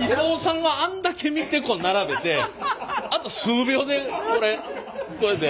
伊藤さんはあんだけ見てこう並べてあんた数秒でこれこれで。